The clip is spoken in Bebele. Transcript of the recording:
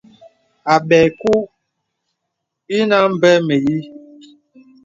Àbɛ̄ɛ̄ kùù inə a mbè mə̀yīī.